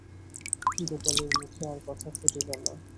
গোপালের মুখে আর কথা ফুটিল না।